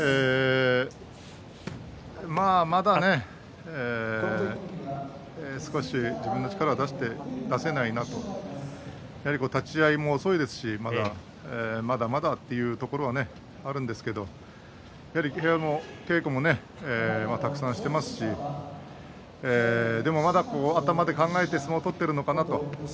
まだ少し自分の力を出せないのと立ち合いも遅いですし、まだまだまだというところもありますがやはり部屋の稽古もたくさんしていますしでもまだ頭で考えて相撲を取っているのかなと。